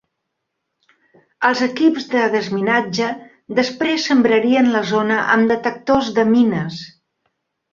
Els equips de desminatge després sembrarien la zona amb detectors de mines.